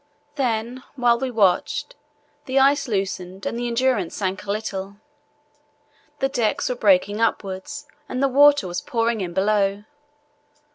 Then, while we watched, the ice loosened and the Endurance sank a little. The decks were breaking upwards and the water was pouring in below.